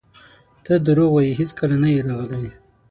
ته درواغ وایې هیڅکله نه یې راغلی!